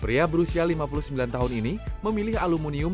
pria berusia lima puluh sembilan tahun ini memilih aluminium